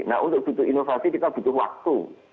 nah untuk butuh inovasi kita butuh waktu